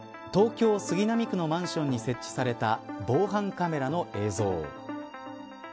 東京、杉並区のマンションに設置された防犯カメラの映像。